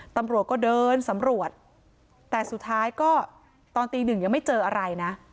ตำรวจก็เดินสำรวจแต่สุดท้ายก็ตอนตีหนึ่งยังไม่เจออะไรนะ